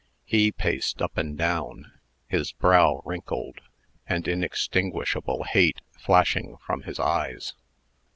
He paced up and down, his brow wrinkled, and inextinguishable hate flashing from his eyes.